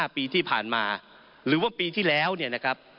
ปีที่ผ่านมาหรือว่าปีที่แล้วเนี่ยนะครับ